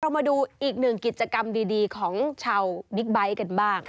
มาดูอีกหนึ่งกิจกรรมดีของชาวบิ๊กไบท์กันบ้าง